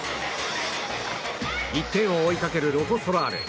１点を追いかけるロコ・ソラーレ。